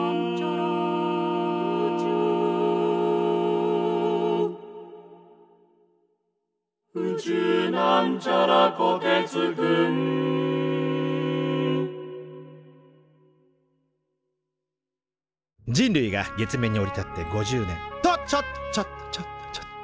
「宇宙」人類が月面に降り立って５０年！とちょっとちょっとちょっとちょっと。